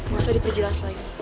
gak usah diperjelas lagi